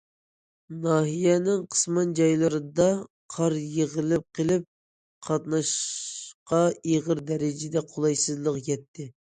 ناھىيەنىڭ قىسمەن جايلىرىدا قار يىغىلىپ قېلىپ، قاتناشقا ئېغىر دەرىجىدە قولايسىزلىق يەتتى.